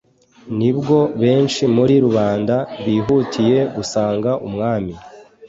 ni bwo benshi muri rubanda bihutiye gusanga umwami